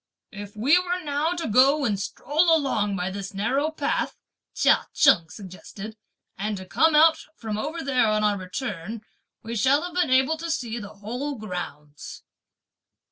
"If we were now to go and stroll along by this narrow path," Chia Cheng suggested, "and to come out from over there on our return, we shall have been able to see the whole grounds."